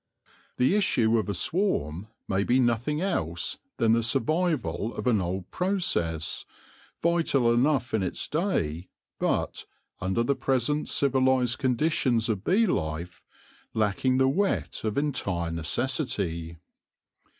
The issue of a swarm may be nothing else than the survival of an old process, vital enough in its day, but, under the present civilised conditions of bee life, lacking the whet of entire necessity.